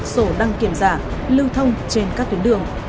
sổ đăng kiểm giả lưu thông trên các tuyến đường